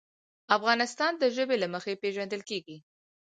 افغانستان د ژبې له مخې پېژندل کېږي.